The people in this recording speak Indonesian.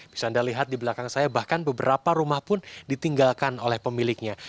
bisa anda lihat di belakang saya bahkan beberapa rumah pun ditinggalkan oleh pemiliknya